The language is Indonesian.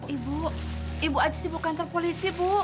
ibu ibu ajiis dibawa ke kantor polisi bu